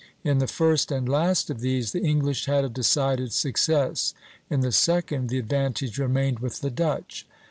In the first and last of these the English had a decided success; in the second the advantage remained with the Dutch.